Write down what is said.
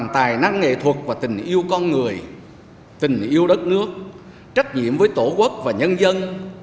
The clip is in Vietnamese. tài năng nghệ thuật và tình yêu con người tình yêu đất nước trách nhiệm với tổ quốc và nhân dân